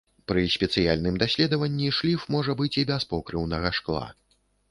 Пры спецыяльным даследванні шліф можа быць і без покрыўнага шкла.